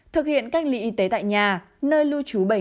thực hiện cách ly y tế tại nhà nơi lưu trú bệnh